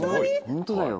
ホントだよ。